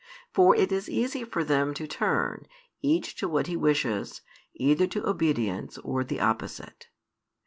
For it is easy for them to turn, each to what he wishes, either to obedience or the opposite.